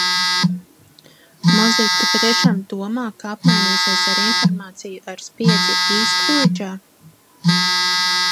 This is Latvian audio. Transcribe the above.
Mozij, tu patiešām domā, ka apmainīsies ar informāciju ar spiedzi Īstvilidžā?